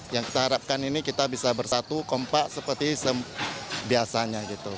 yang kita harapkan ini kita bisa bersatu kompak seperti biasanya